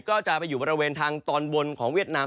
ก็จะไปอยู่บริเวณทางตอนบนของเวียดนาม